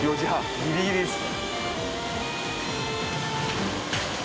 ギリギリですね。